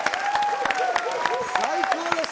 最高です！